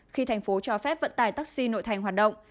khi thành phố cho phép vận tải taxi nội thành hoạt động